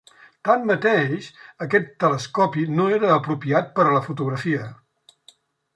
Tanmateix, aquest telescopi no era apropiat per a la fotografia.